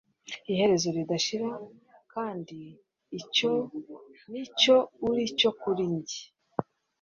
Iherezo ridashira, kandi nicyo uri cyo kuri njye,